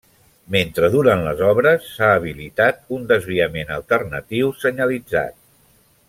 Mentre duren les obres, s’ha habilitat un desviament alternatiu senyalitzat.